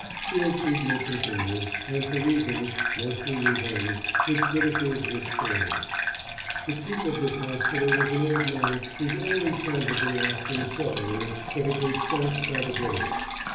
Ill treatment continued, and for reasons, mostly revenge, which Britishers would scorn. The chief of this hospital was an old man whose only son had been lost in a submarine that had been sunk by the British.